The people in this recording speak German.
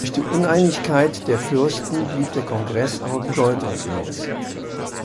Durch die Uneinigkeit der Fürsten blieb der Kongress aber bedeutungslos.